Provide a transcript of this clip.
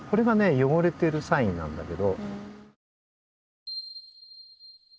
よごれてるサインなんだけど。